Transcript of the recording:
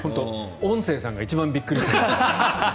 音声さんが一番びっくりしてる。